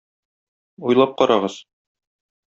Уйлап карагыз.